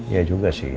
iya juga sih